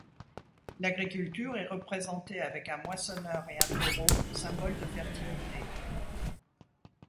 L'agriculture est représentée avec un moissonneur et un taureau, symbole de fertilité.